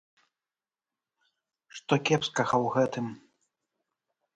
Што кепскага ў гэтым?